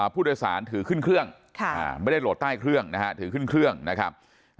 ผู้โดยสารถือขึ้นเครื่องไม่ได้โหลดใต้เครื่องนะฮะถือขึ้นเครื่องนะครับ